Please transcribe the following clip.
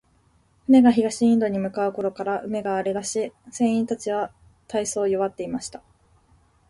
船が東インドに向う頃から、海が荒れだし、船員たちは大そう弱っていました。